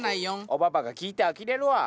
オババが聞いてあきれるわ。